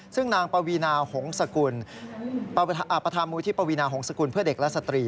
ซึ่งประธามูลที่ปวีนาหงษ์สกุลเพื่อเด็กและสตรี